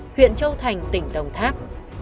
huyện châu thành tỉnh đồng tháp